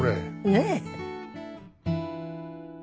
ねえ。